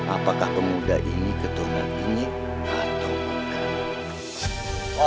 apakah pemuda ini keturunan ini atau bukan